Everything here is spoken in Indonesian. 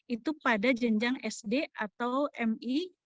itu pada jenjang sd atau mi